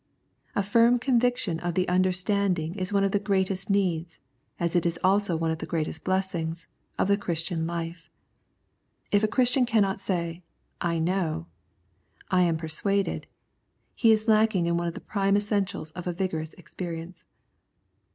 A firm conviction of the understanding is one of the greatest needs, as it is also one of the greatest blessings, of the Christian life. If a Christian cannot say, " I know," " I am persuaded," he is lacking in one of the prime essentials of a vigorous experience.